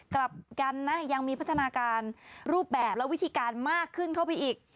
กลับกันนะยังมีพัฒนาการรูปแบบและวิธีการมากขึ้นเข้าไปอีก